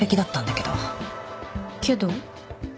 けど？